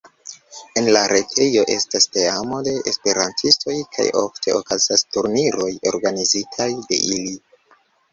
En la retejo estas teamoj de esperantistoj kaj ofte okazas turniroj organizitaj de ili.